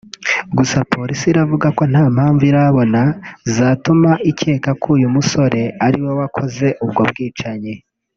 gusa polisi iravuga ko nta mpamvu irabona zatuma ikeka ko uyu musore ariwe wakoze ubwo bwicanyi